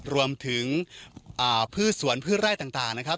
รวมถึงพื้นสวนพื้นไร่ต่างนะครับ